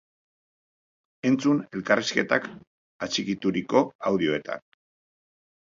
Entzun elkarrizketak atxikituriko audioetan!